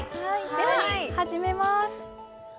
では始めます。